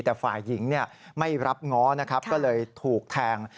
แต่ฝ่ายหญิงไม่รับง้อนะครับก็เลยถูกแทง